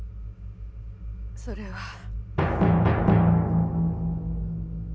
それは。